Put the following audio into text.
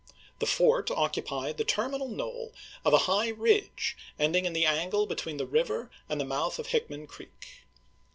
The fort occupied the ter minal knoll of a high ridge ending in the angle between the river and the mouth of Hickman Creek.